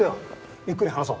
ゆっくり話そう。